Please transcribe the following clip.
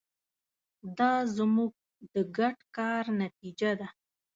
دا زموږ د ګډ کار نتیجه ده.